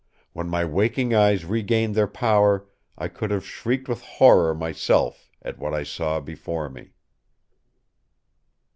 When my waking eyes regained their power, I could have shrieked with horror myself at what I saw before me.